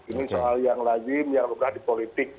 ini soal yang lagi biar berubah di politik